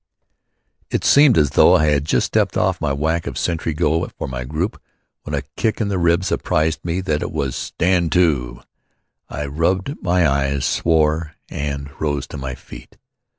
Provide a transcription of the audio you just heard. It seemed as though I had just stepped off my whack of sentry go for my group when a kick in the ribs apprised me that it was "Stand to." I rubbed my eyes, swore and rose to my feet.